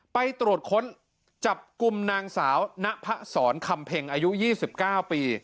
ไปตรวจค้นจับกลุ่มนางสาวณพะสอนคำเพ็งอายุ๒๙ปี